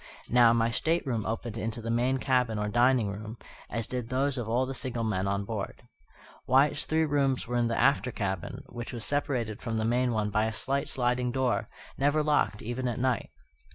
Now, my stateroom opened into the main cabin or dining room, as did those of all the single men on board. Wyatt's three rooms were in the after cabin, which was separated from the main one by a slight sliding door, never locked even at night.